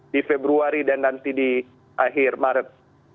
di februari dan nanti di akhir maret